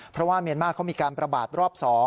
เพราะว่าเมียนมาร์เขามีการประบาดรอบ๒